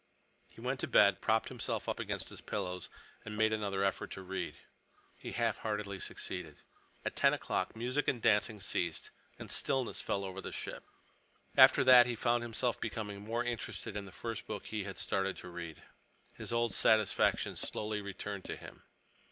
He went to bed, propped himself up against his pillows, and made another effort to read. He half heartedly succeeded. At ten o'clock music and dancing ceased, and stillness fell over the ship. After that he found himself becoming more interested in the first book he had started to read. His old satisfaction slowly returned to him.